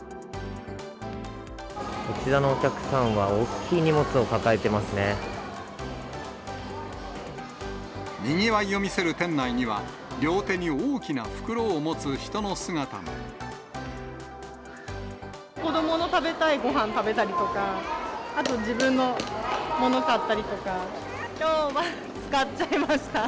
こちらのお客さんはおっきいにぎわいを見せる店内には、子どもの食べたいごはん食べたりとか、自分のもの買ったりとか、きょうは使っちゃいました。